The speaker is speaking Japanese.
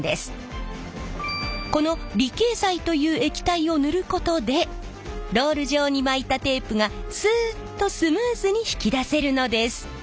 この離型剤という液体を塗ることでロール状に巻いたテープがすっとスムーズに引き出せるのです。